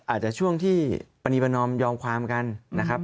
อาจจะช่วงที่ปณีประนอมยอมความกันนะครับ